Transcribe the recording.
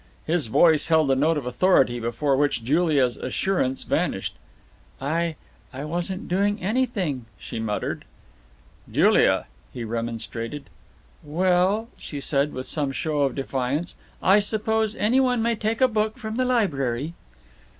His voice held a note of authority before which Julia's assurance vanished. "I I wasn't doing anything," she muttered. "Julia!" he remonstrated. "Well," she said, with some show of defiance, "I suppose anyone may take a book from the library."